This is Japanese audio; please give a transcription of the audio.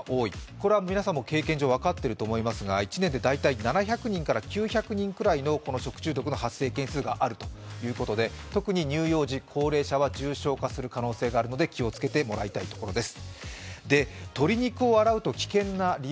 これは皆さんも経験上分かっていると思いますが、１年でだいたい７００人から９００人くらいの食中毒の発生件数があるということで特に乳幼児、高齢者は重症化するリスクがあるので気をつけてもらいたいということです。